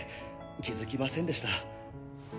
気づきませんでした。